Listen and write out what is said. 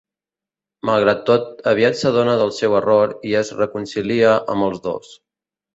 Malgrat tot, aviat s'adona del seu error i es reconcilia amb els dos.